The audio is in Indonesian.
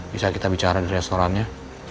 bisa kita bicara di restorannya